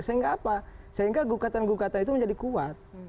sehingga apa sehingga gugatan gugatan itu menjadi kuat